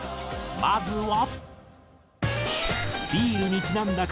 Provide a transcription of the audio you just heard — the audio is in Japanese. まずは。